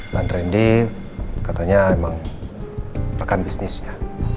dan randy katanya emang rekan bisnisnya